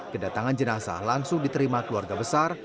kedatangan jenazah langsung diterima keluarga besar